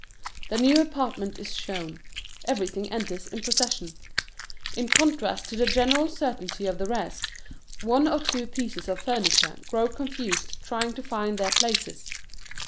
The new apartment is shown. Everything enters in procession. In contrast to the general certainty of the rest, one or two pieces of furniture grow confused trying to find their places.